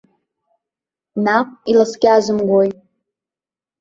Наҟ иласкьазымгои.